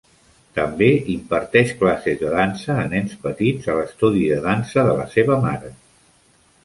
També imparteix classes de dansa a nens petits a l'estudi de dansa de la seva mare.